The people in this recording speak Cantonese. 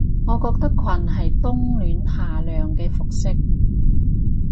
我覺得裙係冬暖夏涼嘅服飾